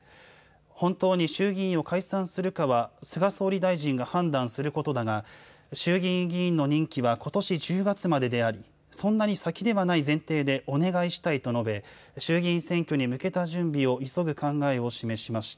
本当に衆議院を解散するかは菅総理大臣が判断することだが衆議院議員の任期はことし１０月まででありそんなに先ではない前提でお願いしたいと述べ衆議院選挙に向けた準備を急ぐ考えを示しました。